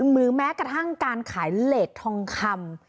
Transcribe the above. หรือแม้กระทั่งการขายเลสทองคำ